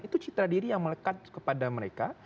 itu citra diri yang melekat kepada mereka